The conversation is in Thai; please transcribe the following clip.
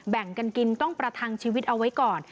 แบ่งกันกินต้องประทังชีวิตเอาไว้ก่อน